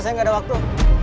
saya gak ada waktu